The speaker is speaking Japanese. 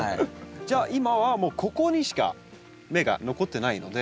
じゃあ今はもうここにしか芽が残ってないので。